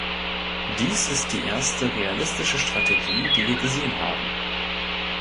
Dies ist die erste realistische Strategie, die wir gesehen haben.